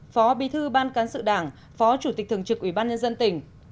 phó bí thư ban cán sự đảng phó chủ tịch thường trực ubnd tỉnh